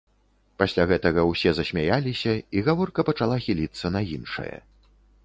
Пасля гэтага ўсе засмяяліся і гаворка пачала хіліцца на іншае.